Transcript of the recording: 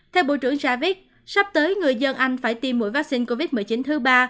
theo bộ trưởng javis sắp tới người dân anh phải tiêm mũi vaccine covid một mươi chín thứ ba